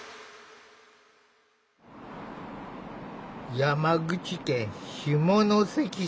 山口県下関市。